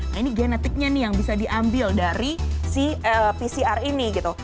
nah ini genetiknya nih yang bisa diambil dari si pcr ini gitu